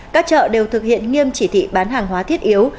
các chợ đều thực hiện nghiêm chỉ thị bán hàng hóa thiết yếu